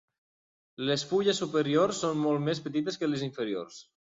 Les fulles superiors són molt més petites que les inferiors.